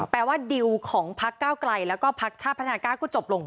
แปลว่าดิวของพักเก้าไกลแล้วก็พักชาติพัฒนากล้าก็จบลง